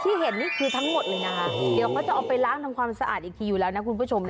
เห็นนี่คือทั้งหมดเลยนะคะเดี๋ยวเขาจะเอาไปล้างทำความสะอาดอีกทีอยู่แล้วนะคุณผู้ชมนะ